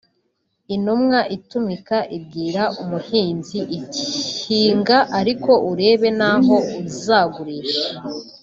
Intumwa itumika ibwira umuhinzi iti hinga ariko urebe n’aho uzagurisha